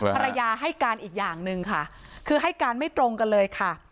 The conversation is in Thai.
ภรรยาให้การอีกอย่างหนึ่งค่ะคือให้การไม่ตรงกันเลยค่ะ